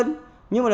nhưng mà bây giờ